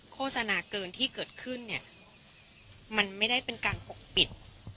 โฆษณาเกินที่เกิดขึ้นเนี่ยมันไม่ได้เป็นการปกปิด